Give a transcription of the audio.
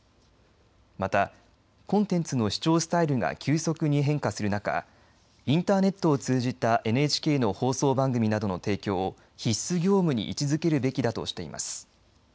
またコンテンツの視聴スタイルが急速に変化する中インターネットを通じたＮＨＫの放送番組などの提供を必須業務に位置づけるべきだとしています。